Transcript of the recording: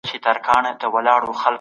خواږه څښاک سردرد زیاتوي.